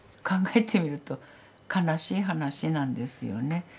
考えてみると悲しい話なんですよね。